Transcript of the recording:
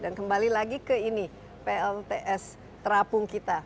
dan kembali lagi ke ini plts terapung kita